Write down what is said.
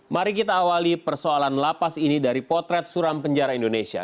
mari kita awali persoalan lapas ini dari potret suram penjara indonesia